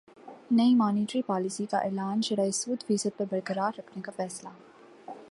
نئی monetary policy کا اعلان شرح سود فیصد پر برقرار رکھنے کا فیصلہ